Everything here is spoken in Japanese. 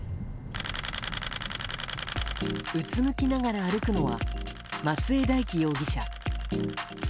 うつむきながら歩くのは松江大樹容疑者。